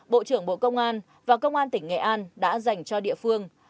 bộ trưởng bộ công an và công an tỉnh nghệ an đã dành cho địa phương